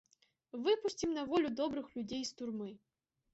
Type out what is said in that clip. Выпусцім на волю добрых людзей з турмы.